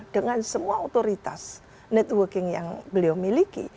dengan semua otoritas networking yang beliau miliki